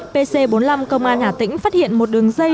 pc bốn mươi năm công an hà tĩnh phát hiện một đường dây